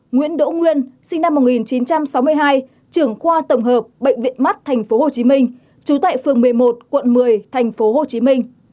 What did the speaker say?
ba nguyễn đỗ nguyên sinh năm một nghìn chín trăm sáu mươi hai trưởng khoa tổng hợp bệnh viện mắt tp hcm trú tại phường một mươi một quận một mươi tp hcm